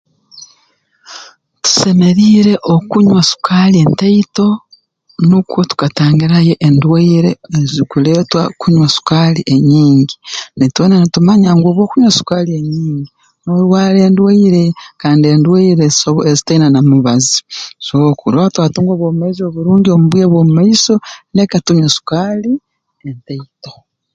Tusemeriire okunywa sukaali entaito nukwo tukatangirayo endwaire ezikuleetwa kunywa sukaali enyingi na itwena nitumanya ngu obu okunywa sukaali enyingi noorwara endwaire kandi endwaire eziso ezitaina na mubazi so kurora twatunga obwomeezi oburungi omu bwire bw'omu maiso leka tunywe sukaali entaito